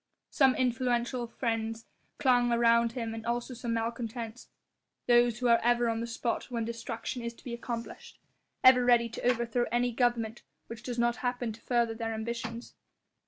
Some influential friends clung around him and also some malcontents, those who are ever on the spot when destruction is to be accomplished, ever ready to overthrow any government which does not happen to further their ambitions.